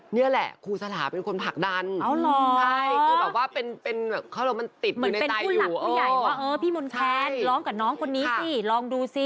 เหมือนเป็นผู้หลักผู้ใหญ่ว่าเออพี่มนต์แคนร้องกับน้องคนนี้สิลองดูสิ